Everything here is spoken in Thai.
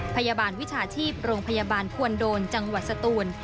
พยาบาลวิชาชีพโรงพยาบาลควรโดนจังหวัดสตูน